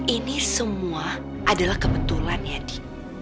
ini semua adalah kebetulan ya di